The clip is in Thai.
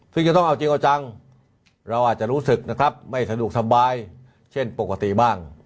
ซึ่งจะต้องเอาจริงเอาจังเราอาจจะรู้สึกนะครับไม่สะดวกสบายเช่นปกติบ้าง